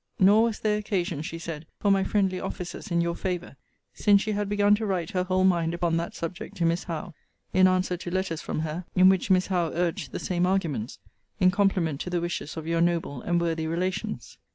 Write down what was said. Nor was there occasion, she said, for my friendly offices in your favour; since she had begun to write her whole mind upon that subject to Miss Howe, in answer to letters from her, in which Miss Howe urged the same arguments, in compliment to the wishes of your noble and worthy relations.